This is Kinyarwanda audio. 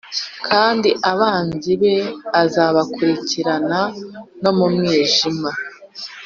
kandi abanzi be azabakurikirana no mu mwijima.